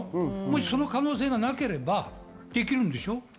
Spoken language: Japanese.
その可能性がなければできるんでしょ。